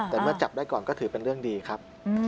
แต่เมื่อจับได้ก่อนก็ถือเป็นเรื่องดีครับ